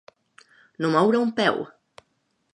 No moure un peu.